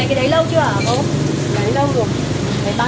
ở đấy nó có lấy phép này